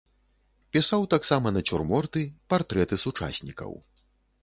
Пісаў таксама нацюрморты, партрэты сучаснікаў.